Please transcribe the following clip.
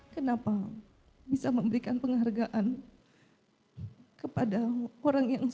kenapa bisa memberikan penghargaan kepada orang yang